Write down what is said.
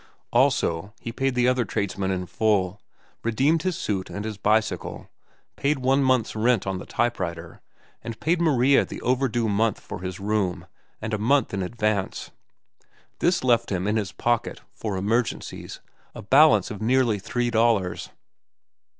Also, he paid the other tradesmen in full, redeemed his suit and his bicycle, paid one month's rent on the type writer, and paid Maria the overdue month for his room and a month in advance. This left him in his pocket, for emergencies, a balance of nearly three dollars.